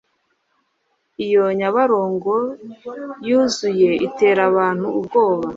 Iyo nyabarongo yuzuye itera abantu ubwoba